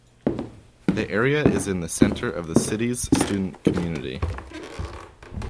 The area is in the centre of the city's student community.